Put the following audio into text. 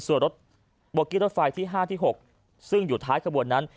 ส่วนรถโบกี้รถไฟที่๕ที่๖ซึ่งอยู่ท้ายขบวนนั้น